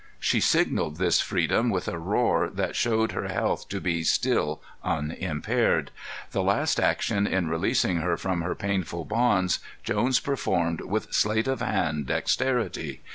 She signalled this freedom with a roar that showed her health to be still unimpaired. The last action in releasing her from her painful bonds Jones performed with sleight of hand dexterity.